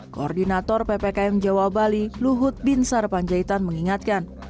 koordinator ppkm jawa bali luhut bin sarpanjaitan mengingatkan